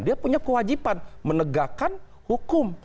dia punya kewajiban menegakkan hukum